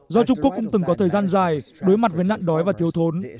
do trung quốc cũng từng có thời gian dài đối mặt với nạn đói và thiếu thốn